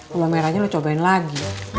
gula merahnya lo cobain lagi